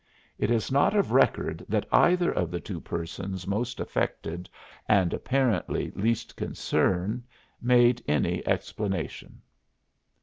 It is not of record that either of the two persons most affected and apparently least concerned made any explanation.